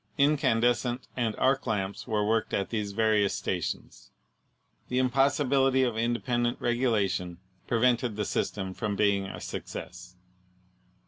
Incandescent and arc lamps were worked at these various stations. The impossibility of independent regulation pre vented the system from being a success.